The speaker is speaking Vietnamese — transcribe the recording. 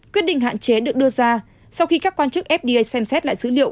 quyết định hạn chế được đưa ra sau khi các quan chức fda xem xét lại dữ liệu